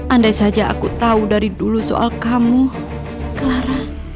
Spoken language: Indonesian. andai saja aku tahu dari dulu soal kamu clara